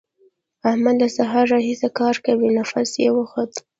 احمد له سهار راهسې کار کوي؛ نفس يې وخوت.